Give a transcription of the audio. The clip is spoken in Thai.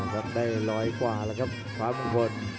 ก็ได้ร้อยกว่าครับฟ้ามงคล